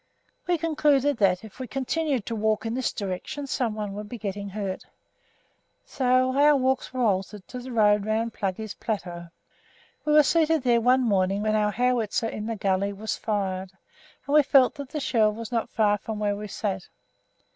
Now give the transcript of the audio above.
We concluded that, if we continued to walk in this direction someone would be getting hurt, so our walks were altered to the road round "Pluggey's Plateau." We were seated there one morning when our howitzer in the gully was fired, and we felt that the shell was not far from where we sat.